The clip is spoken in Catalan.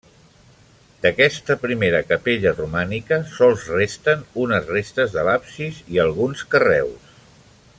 D'aquesta primera capella romànica sols resten unes restes de l'absis i alguns carreus.